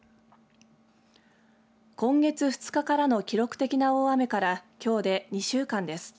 今月２日からの記録的な大雨からきょうで２週間です。